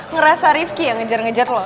ngerasa rivki yang ngejar ngejar lo